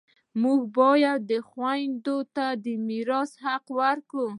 موږ باید و خویندو ته د میراث حق ورکړو